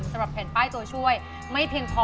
สำหรับแผ่นป้ายตัวช่วยไม่เพียงพอ